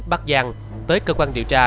bắc giang tới cơ quan điều tra